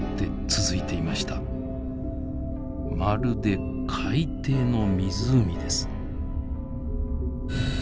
まるで海底の湖です。